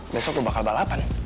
besok lu bakal balapan